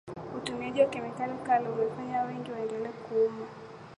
utumiaji wa kemikali kali unawafanya wengi waendelee kuumwa